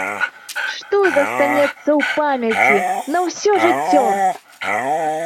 Што застанецца ў памяці на ўсё жыццё?